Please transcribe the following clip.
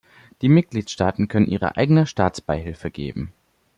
Die Mitgliedstaaten können ihre eigene Staatsbeihilfe geben.